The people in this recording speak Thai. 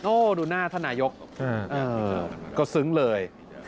โอ้ดูหน้าธนายกก็ซึ้งเลย